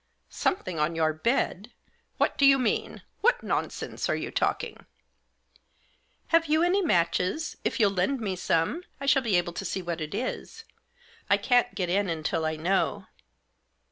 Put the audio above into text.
" Something on your bed ? What do you mean ? What nonsense are you talking ?"" Have you any matches ? If you'll lend me some, I shall be able to see what it is. I can't get in until I know."